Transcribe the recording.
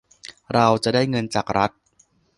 เราจะได้เงินจากรัฐ